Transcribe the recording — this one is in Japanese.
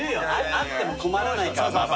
あっても困らない。